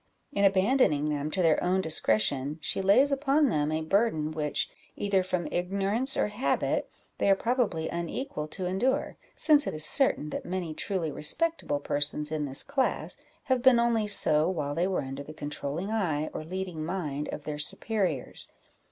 In abandoning them to their own discretion, she lays upon them a burden which, either from ignorance or habit, they are probably unequal to endure, since it is certain that many truly respectable persons in this class have been only so while they were under the controlling eye or leading mind of their superiors.